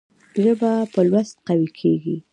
ژبه په لوست قوي کېږي.